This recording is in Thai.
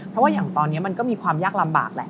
เพราะว่าอย่างตอนนี้มันก็มีความยากลำบากแหละ